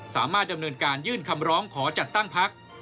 สามารถดำเนินการยื่นคำร้องขอจัดตั้งพัก